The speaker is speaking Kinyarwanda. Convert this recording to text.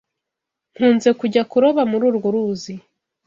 Nkunze kujya kuroba muri urwo ruzi.